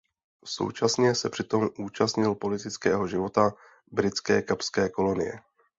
Současně se přitom účastnil politického života britské Kapské kolonie.